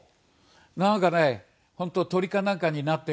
なんかね本当鳥かなんかになったような気分。